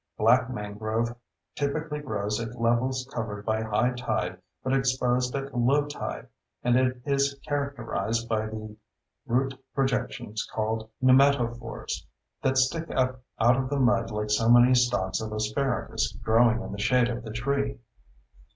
Black mangrove typically grows at levels covered by high tide but exposed at low tide, and it is characterized by the root projections called pneumatophores that stick up out of the mud like so many stalks of asparagus growing in the shade of the tree.